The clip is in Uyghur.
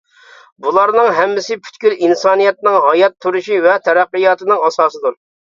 بۇلارنىڭ ھەممىسى پۈتكۈل ئىنسانىيەتنىڭ ھايات تۇرۇشى ۋە تەرەققىياتىنىڭ ئاساسىدۇر.